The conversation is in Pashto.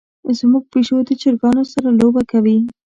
زمونږ پیشو د چرګانو سره لوبه کوي.